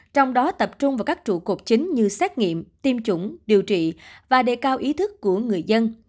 trong đó tập trung vào các trụ cột chính như xét nghiệm tiêm chủng điều trị và đề cao ý thức của người dân